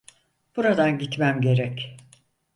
Buradan gitmem gerek.